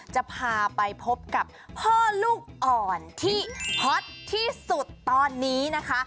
จะพาไปพบกับพ่อลูกอ่อนที่ฮอตที่สุดตอนนี้นะคะ